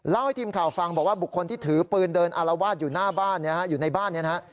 เล่าให้ทีมข่าวฟังบอกว่าบุคคลที่ถือปืนเดินอารวาสอยู่ในบ้านนี้นะฮะ